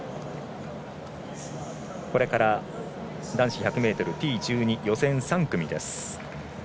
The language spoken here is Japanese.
これから男子１００ｍＴ１２予選３組です。